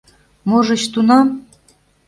Можыч, тунам...